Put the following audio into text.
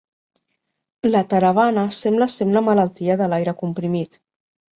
La "taravana" sembla ser una malaltia de l'aire comprimit.